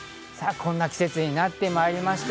こんな季節になってきました。